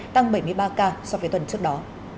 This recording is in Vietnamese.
tăng bảy mươi ba ca so với tuần trước đó